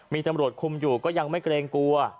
มีตำรวจคุมอยู่ก็ยังไม่เกรงกลัว